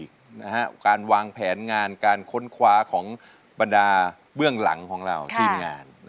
การวางแผนงานการค้นคว้าของบรรดาเบื้องหลังของเราทีมงาน